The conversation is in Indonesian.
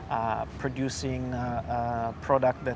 memproduksi produk yang